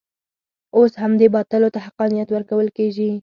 اوس همدې باطلو ته حقانیت ورکول کېږي.